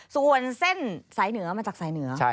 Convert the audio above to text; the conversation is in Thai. ส่วนเส้นสายเหนือมาจากสายเหนือ